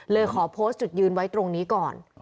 ขอโพสต์จุดยืนไว้ตรงนี้ก่อน